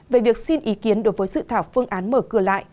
về việc xin ý kiến đối với dự thảo phương án mở cửa lại